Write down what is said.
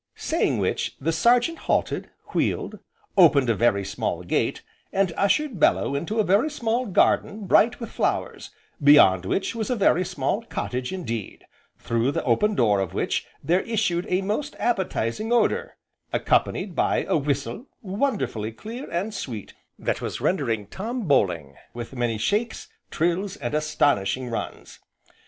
Saying which, the Sergeant halted, wheeled, opened a very small gate, and ushered Bellew into a very small garden bright with flowers, beyond which was a very small cottage indeed, through the open door of which there issued a most appetizing odour, accompanied by a whistle, wonderfully clear, and sweet, that was rendering "Tom Bowling" with many shakes, trills, and astonishing runs.